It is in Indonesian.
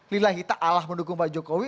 lillah hita allah mendukung pak jokowi